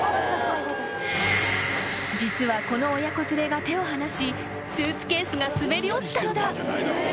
［実はこの親子連れが手を離しスーツケースが滑り落ちたのだ］